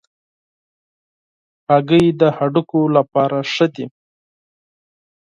هګۍ د هډوکو لپاره مفید دي.